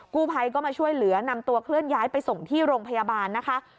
กู้ภัยก็มาช่วยเหลือนำตัวเคลื่อนย้ายไปส่งที่โรงพยาบาลนะคะ